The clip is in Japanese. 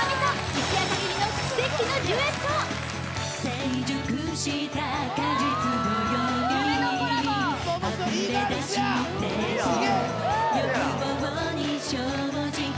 一夜限りの奇跡のデュエット・夢のコラボすげえ！